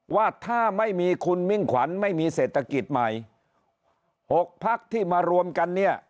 ว่าถ้าไม่มีคุณมิ่งขวัญไม่มีเศรษฐกิจใหม่๖พักที่มารวมกันเนี่ย